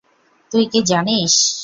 তুই কী জানিস?